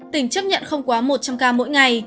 tỉnh chấp nhận không quá một trăm linh ca mỗi ngày